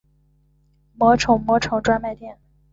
魔宠魔宠专卖店